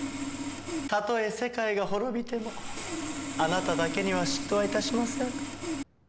たとえ世界が滅びてもあなただけには嫉妬は致しません。